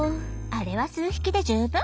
あれは数匹で十分。